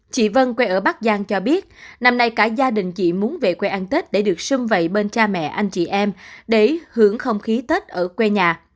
chị vân quê ở bắc giang cho biết năm nay cả gia đình chị muốn về quê ăn tết để được sưng vầy bên cha mẹ anh chị em để hưởng không khí tết ở quê nhà